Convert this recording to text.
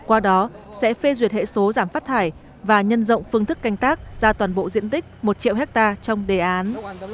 qua đó sẽ phê duyệt hệ số giảm phát thải và nhân rộng phương thức canh tác ra toàn bộ diện tích một triệu hectare trong đề án